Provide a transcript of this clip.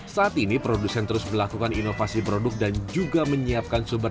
saat ini produsen terus melakukan inovasi produk dan juga menyiapkan sumber daya